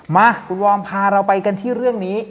มาคุณวอร์มพาเราไปกันที่เรื่องนี้